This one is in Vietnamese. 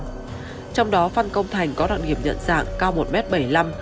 trong đó phan công thành có đoạn hiểm nhận dạng cao một m bảy mươi năm